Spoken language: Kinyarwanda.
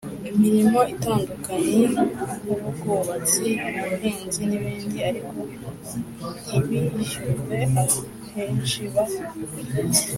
imirimo itandukanye nk ubwubatsi ubuhinzi n ibindi ariko ntibishyurwe Ahenshi ba